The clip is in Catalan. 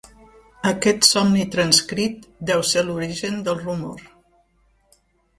Aquest somni transcrit deu ser l'origen del rumor.